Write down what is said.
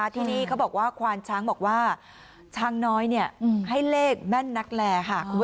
ที่นี่ควานช้างก็บอกว่าช้างน้อยเนี่ยให้เลขแม่นนักแล